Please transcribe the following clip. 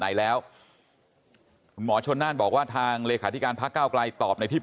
เแตก้่วไกลไม่ได้บอกว่าได้เท่าไรอย่างไร